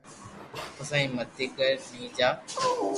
پسي ايم متي ڪر تي جا